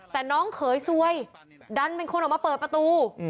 แต่น้องเขยซวยดันเป็นคนออกมาเปิดประตู